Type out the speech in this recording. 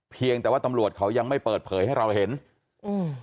เพียงแต่ว่าตำรวจเขายังไม่เปิดเผยให้เราเห็นอืม